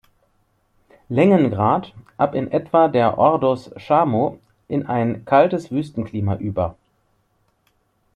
Längengrad, ab in etwa der Ordos Shamo, in ein Kaltes Wüstenklima über.